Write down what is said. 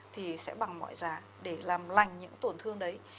thì sẽ bằng mọi giá để làm lành những tổn thương đấy